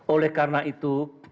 oleh karena itu